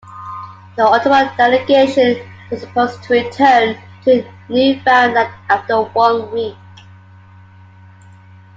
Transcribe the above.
The Ottawa Delegation was supposed to return to Newfoundland after one week.